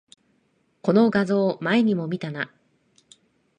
この画像、前にも見たな